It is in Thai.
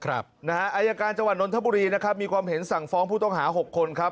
อายการจังหวัดนทบุรีนะครับมีความเห็นสั่งฟ้องผู้ต้องหา๖คนครับ